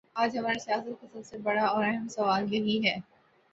آج ہماری سیاست کا سب سے بڑا اور اہم سوال یہی ہے؟